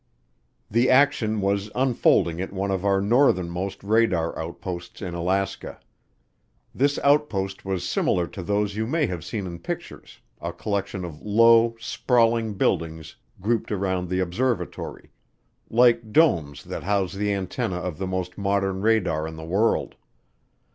The action was unfolding at one of our northernmost radar outposts in Alaska. This outpost was similar to those you may have seen in pictures, a collection of low, sprawling buildings grouped around the observatory like domes that house the antennae of the most modern radar in the world.